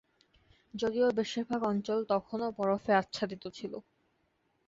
যদিও বেশির ভাগ অঞ্চল তখনও বরফে আচ্ছাদিত ছিল।